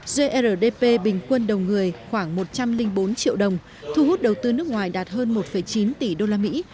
grdp bình quân đầu người khoảng một trăm linh bốn triệu đồng thu hút đầu tư nước ngoài đạt hơn một chín tỷ usd